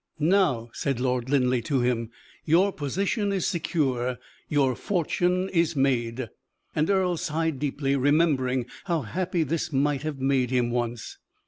"Now," said Lord Linleigh to him, "your position is secure your fortune is made." And Earle sighed deeply, remembering how happy this might have made him once.